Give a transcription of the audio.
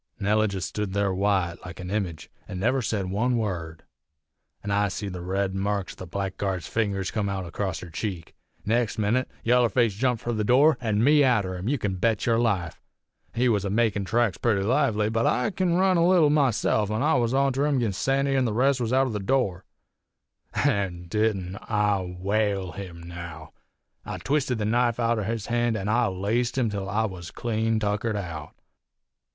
Nellie jest stood there white, like a image, an' never said one word; an' I seed the red marks o' the blackguard's fingers come out acrost her cheek. Next minit yaller face jumped fur the door, an' me arter him, you kin bet yer life! He was a makin' tracks purty lively, but I kin run a leetle myself, an' I was onter him 'gin Sandy an' the rest was outer the door. An' didn't I whale him, now? I twisted his knife outer his hand, an' I laced him till I was clean tuckered out.